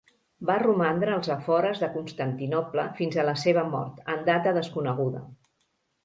Va romandre als afores de Constantinoble fins a la seva mort, en data desconeguda.